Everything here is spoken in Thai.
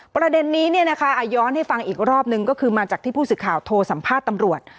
ประเด็นนี้ย้อนให้ฟังอีกรอบนึงก็คือมาจากที่ผู้สื่อข่าวโทรสัมภาษณ์ตำรวจ